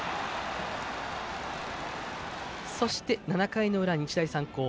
そして、７回の裏、日大三高